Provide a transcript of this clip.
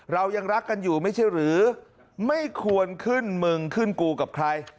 เรายังรักกันอยู่ไม่ใช่หรือไม่ควรขึ้นมึงขึ้นกูกับใคร